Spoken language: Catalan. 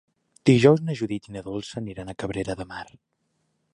Dijous na Judit i na Dolça aniran a Cabrera de Mar.